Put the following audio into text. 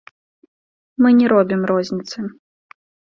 Мы не робім розніцы.